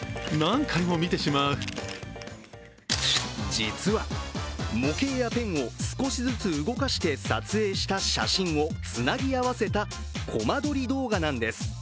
実は、模型やペンを少しずつ動かして撮影した写真をつなぎ合わせたコマ撮り動画なんです。